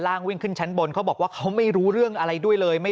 วิ่งขึ้นชั้นบนเขาบอกว่าเขาไม่รู้เรื่องอะไรด้วยเลย